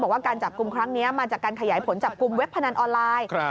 ว่าการจับกลุ่มครั้งนี้มาจากการขยายผลจับกลุ่มเว็บพนันออนไลน์